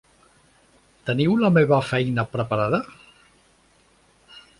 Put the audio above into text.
Teniu la meva feina preparada?